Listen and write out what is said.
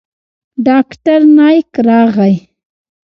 ډاکتر نايک راغى.